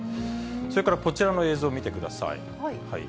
それからこちらの映像見てください。